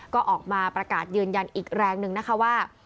ก็ออกมาประกาศยืนยันอีกแรงหนึ่งนะคะว่า